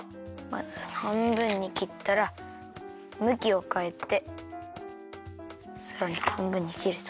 まずはんぶんにきったらむきをかえてさらにはんぶんにきると。